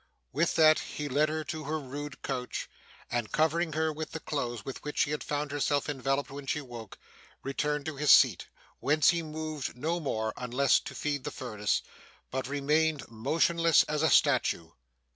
With that, he led her to her rude couch, and covering her with the clothes with which she had found herself enveloped when she woke, returned to his seat, whence he moved no more unless to feed the furnace, but remained motionless as a statue.